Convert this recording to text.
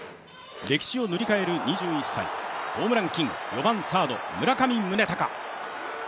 歴史を塗り替える２１歳、ホームランキング、４番・サード・村上宗隆。